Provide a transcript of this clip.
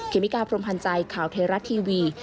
เมกาพรมพันธ์ใจข่าวเทราะทีวี